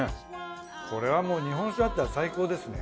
これはもう日本酒だったら最高ですね。